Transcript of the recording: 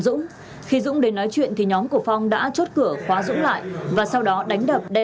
dũng khi dũng đến nói chuyện thì nhóm của phong đã chốt cửa khóa dũng lại và sau đó đánh đập đe